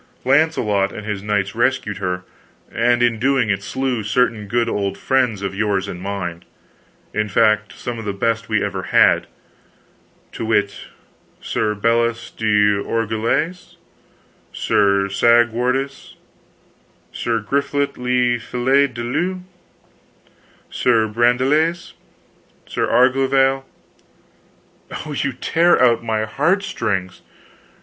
Launcelot and his knights rescued her, and in doing it slew certain good old friends of yours and mine in fact, some of the best we ever had; to wit, Sir Belias le Orgulous, Sir Segwarides, Sir Griflet le Fils de Dieu, Sir Brandiles, Sir Aglovale " "Oh, you tear out my heartstrings."